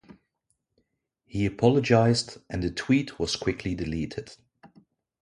He apologised and the tweet was quickly deleted.